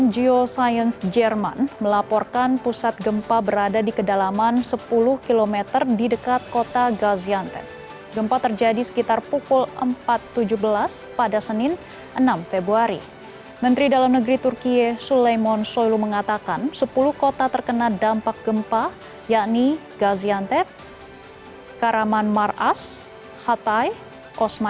jumlah gempa yang dialami kedua negara berdasarkan data yang diimpun dari tim cnn indonesia